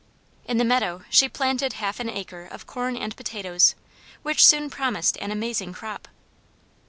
In the meadow she planted half an acre of corn and potatoes, which soon promised an amazing crop.